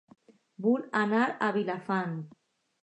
Vull anar a Vilafant